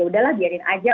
ya udahlah biarin aja